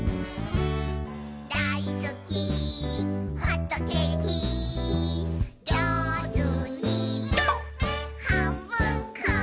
「だいすきホットケーキ」「じょうずにはんぶんこ！」